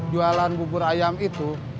jualan bubur ayam itu